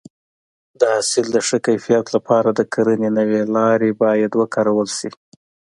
د حاصل د ښه کیفیت لپاره د کرنې نوې لارې باید وکارول شي.